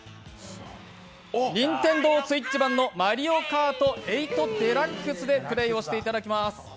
ＮｉｎｔｅｎｄｏＳｗｉｔｃｈ版の「マリオカート８デラックス」で対決していただきます。